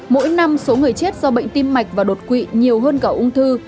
mỗi năm số người chết do bệnh tim mạch và đột quỵ nhiều hơn cả ung thư